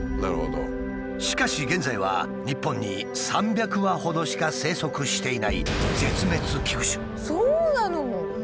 しかし現在は日本に３００羽ほどしか生息していないそうなの？